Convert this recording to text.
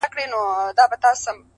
بریالي خلک له ماتې درس اخلي’